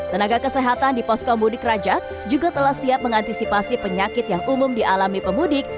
tenaga kesehatan di poskomudik raja juga telah siap mengantisipasi penyakit yang umum dialami pemudik